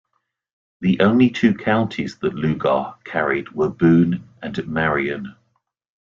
The only two counties that Lugar carried were Boone and Marion.